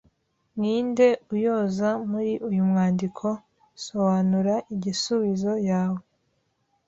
Ni nde uyooza muri uyu mwandiko Soanura igisuizo yawe